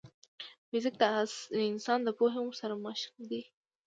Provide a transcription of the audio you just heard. فزیک د انسان د پوهې سرمشق دی.